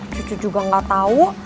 cucu juga gak tau